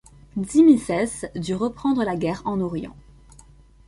Tzimiscès dut reprendre la guerre en Orient.